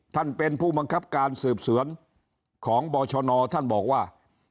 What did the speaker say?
ท่านเป็นผู้บังคับการสืบสวนของบชนท่านบอกว่า